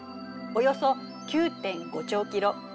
およそ９．５兆キロ。